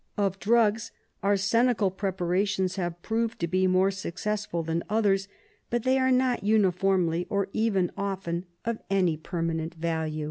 Of drugs, arsenical preparations have proved to be more successful than others, but they are not uniformly, or even often, of any permanent value.